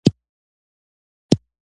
اړتیا ذهني موضوع ده.